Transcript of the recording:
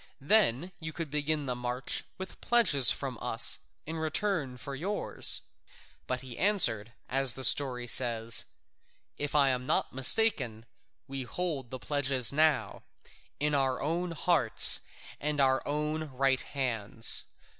Then you could begin the march with pledges from us in return for yours." But he answered, as the story says, "If I am not mistaken, we hold the pledges now, in our own hearts and our own right hands.